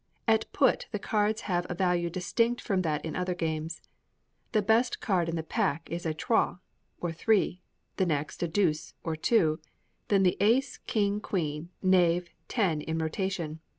At Put the cards have a value distinct from that in other games. The best card in the pack is a trois, or three; the next a deuce, or two; then the ace, king, queen, knave, ten in rotation.